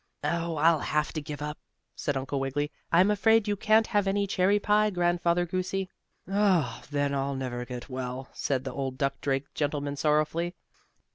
"Oh, I'll have to give up," said Uncle Wiggily. "I'm afraid you can't have any cherry pie, Grandfather Goosey." "Oh, then I'll never get well," said the old duck drake gentleman sorrowfully.